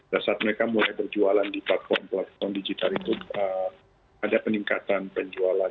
dan saat mereka mulai berjualan di platform platform digital itu ada peningkatan penjualan